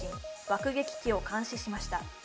爆撃機を監視しました。